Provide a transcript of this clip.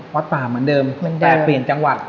วัดป่ามันเดิมแต่เปลี่ยนจังหวัด